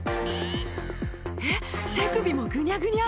えっ、手首もぐにゃぐにゃ。